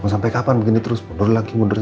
mau sampai kapan begini terus mundur lagi mundur